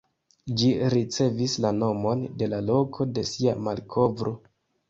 Ĝi ricevis la nomon de la loko de sia malkovro.